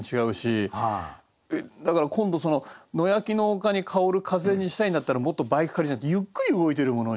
だから今度「野焼きの丘に香る風」にしたいんだったらもっと「バイク駆り」じゃなくてゆっくり動いてる物に。